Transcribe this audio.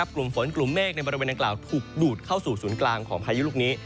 กลุ่มฝนกลุ่มเมฆในบริเวณดังกล่าวถูกดูดเข้าสู่ศูนย์กลางของพายุลูกนี้